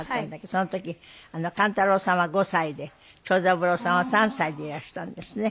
その時勘太郎さんは５歳で長三郎さんは３歳でいらしたんですね。